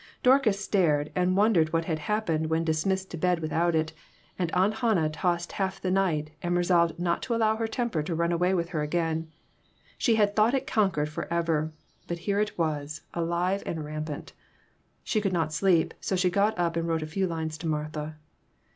Dorcas stared, and wondered what had happened when dismissed to bed without it, and Aunt Hannah tossed half the night and resolved not to allow her temper to run away with her again. She had thought it conquered forever, but here it was, alive and rampant. She could not sleep, so she got up and wrote a few lines to Martha.